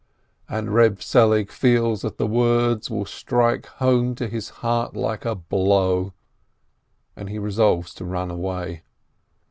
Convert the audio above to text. And Reb Selig feels that the words will strike home to his heart like a blow, and he resolves to run away.